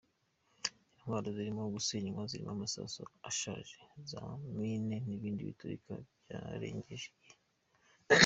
Intwaro zirimo gusenywa zirimo amasasu ashaje, za mine n’ibindi biturika byarengeje igihe.